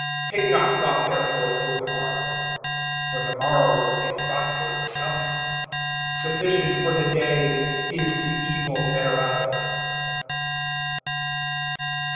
(34)Take not thought, therefore, for the morrow; for the morrow will take thought for itself. Sufficient for the day is the evil thereof.